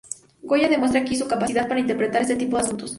Goya demuestra aquí su capacidad para interpretar este tipo de asuntos.